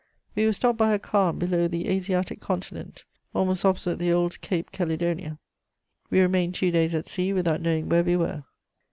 We were stopped by a calm below the Asiatic continent, almost opposite the old Cape Chelidonia. We remained two days at sea without knowing where we were.